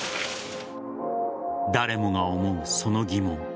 誰もが思うその疑問。